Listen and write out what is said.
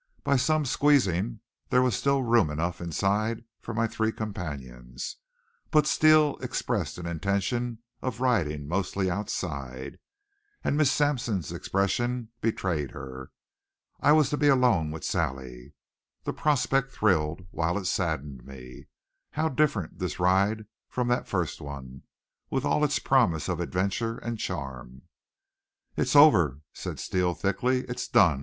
By some squeezing there was still room enough inside for my three companions; but Steele expressed an intention of riding mostly outside, and Miss Sampson's expression betrayed her. I was to be alone with Sally. The prospect thrilled while it saddened me. How different this ride from that first one, with all its promise of adventure and charm! "It's over!" said Steele thickly. "It's done!